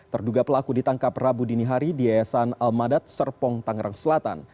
terduga pelaku ditangkap rabu dinihari di yayasan almadat serpong tangerang selatan